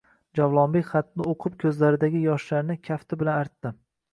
Javlonbek xatni o’qib ko’zlaridagi yoshlarini kafti bilan artdi.